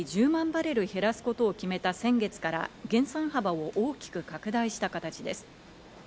バレル減らすことを決めた先月から減産幅を大きく拡大した形です。